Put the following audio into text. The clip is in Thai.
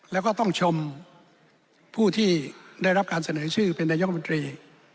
แล้วก็ต้องชมผู้ที่ได้รับการเสนอชื่อเป็นนายกรรมนตรี